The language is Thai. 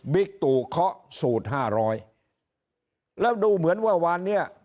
ตู่เคาะสูตรห้าร้อยแล้วดูเหมือนเมื่อวานเนี้ย